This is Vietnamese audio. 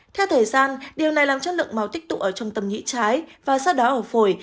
theo thời gian điều này làm chất lượng máu tích tụ ở trong tầm nhĩ trái và sau đó ở phổi